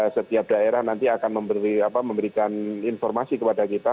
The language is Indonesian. setiap daerah nanti akan memberikan informasi kepada kita